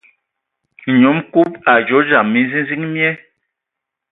A nnom Kub a adzo dzam minziziŋ mie,